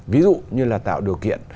ví dụ như là tạo điều kiện